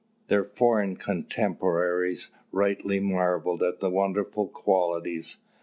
Their foreign contemporaries rightly marvelled at their wonderful qualities.